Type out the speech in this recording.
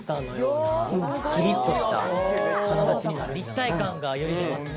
「立体感がより出ますね」